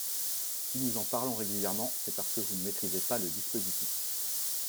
Si nous en parlons régulièrement, c’est parce que vous ne maîtrisez pas le dispositif.